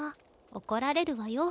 怒られるわよ。